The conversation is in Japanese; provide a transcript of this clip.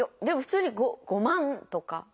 でも普通に５万とか。